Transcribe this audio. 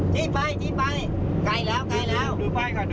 ที่ไปที่ไป